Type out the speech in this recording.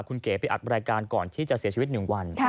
คุณเก๋ไปอัดรายการก่อนที่จะเสียชีวิต๑วัน